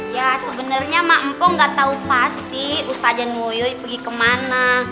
ya sebenernya mak empok gak tau pasti ustazan nguyoy pergi kemana